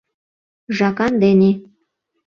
Жакан дене.